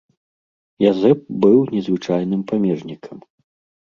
Язэп быў незвычайным памежнікам.